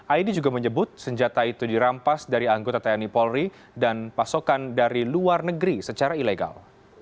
aidi juga menyebut senjata itu dirampas dari anggota tni polri dan pasokan dari luar negeri secara ilegal